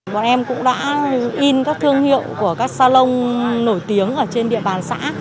bọn em cũng đã in các thương hiệu của các salon nổi tiếng ở trên địa bàn xã